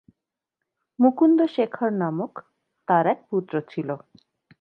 মুকুন্দ শেখর নামক তার এক পুত্র ছিল।